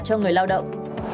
cho người lao động